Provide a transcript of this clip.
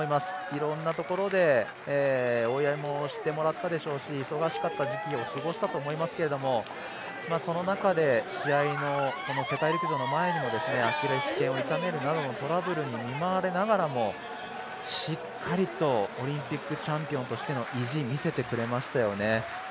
いろんなところで応援もしてもらったでしょうし忙しかった時期を過ごしたと思いますけどその中で試合の世界陸上の前にもアキレスけんを痛めるなどのトラブルに見舞われながらもしっかりとオリンピックチャンピオンとしての意地見せてくれましたよね。